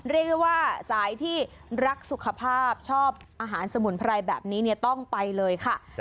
เรียกได้ว่าสายที่รักสุขภาพชอบอาหารสมุนไพรแบบนี้เนี่ยต้องไปเลยค่ะ